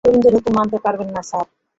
তরুণদের হুকুম মানতে পারবো না, স্যার।